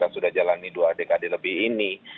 sudah jalani dua dekade lebih ini